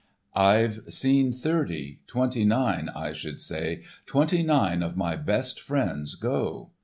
"I've seen thirty—twenty nine I should say, twenty nine of my best friends go."